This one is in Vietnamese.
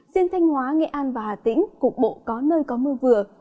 riêng thanh hóa nghệ an và hà tĩnh cục bộ có nơi có mưa vừa